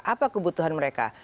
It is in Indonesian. apa kebutuhan mereka